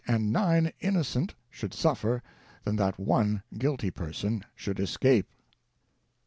527 and nine innocent should suffer than that one guilty person should escape."